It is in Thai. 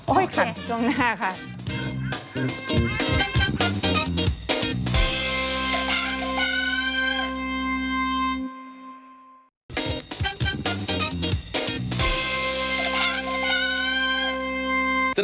โอเคช่วงหน้าค่ะ